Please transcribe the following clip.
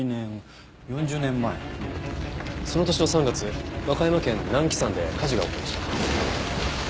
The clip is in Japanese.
その年の３月和歌山県南紀山で火事が起きました。